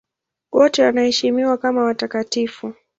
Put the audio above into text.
Wote wanaheshimiwa kama watakatifu.